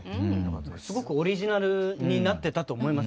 すごくオリジナルになってたと思います。